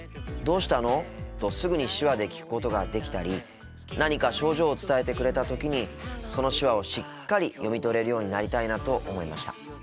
「どうしたの？」とすぐに手話で聞くことができたり何か症状を伝えてくれた時にその手話をしっかり読み取れるようになりたいなと思いました。